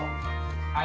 はい。